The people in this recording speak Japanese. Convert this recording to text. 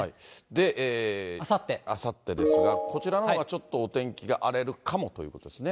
で、あさってですが、こちらのほうがお天気がちょっと荒れるかもということですね。